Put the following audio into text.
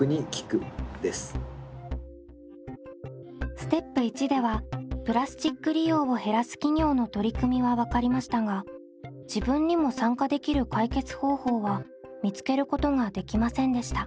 ステップ①ではプラスチック利用を減らす企業の取り組みは分かりましたが自分にも参加できる解決方法は見つけることができませんでした。